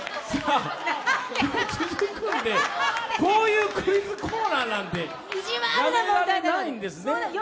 続くんで、こういうクイズコーナーなんで、やめられないんですよ。